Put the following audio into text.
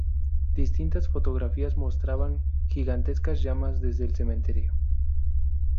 Distintas fotografías mostraban gigantescas llamas desde el cementerio.